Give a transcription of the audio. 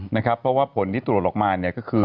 เพราะว่าผลที่ตรวจลอกมาก็คือ